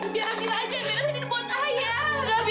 biar amira aja yang ambil